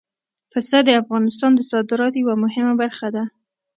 پسه د افغانستان د صادراتو یوه مهمه برخه ده.